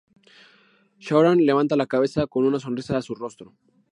Shaoran levanta la cabeza con una sonrisa a su rostro.